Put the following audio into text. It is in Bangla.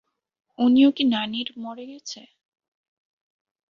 উনি ও কি নানির মরে গেছে?